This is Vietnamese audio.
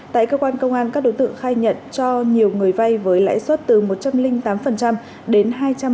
tại cơ quan công an các đối tượng khai nhận cho nhiều người vay với lãi suất từ một trăm linh tám đến hai trăm năm mươi